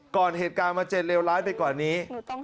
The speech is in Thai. ก่อนเหตุการณ์มาเจ็ดเลวร้ายไปก่อนนี้